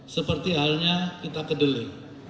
seperti halnya kita kedele